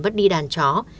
bất đi đàn chó